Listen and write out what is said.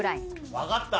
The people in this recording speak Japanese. わかった！